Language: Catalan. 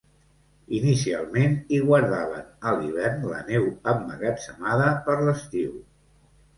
Inicialment hi guardaven a l'hivern la neu emmagatzemada per l'estiu.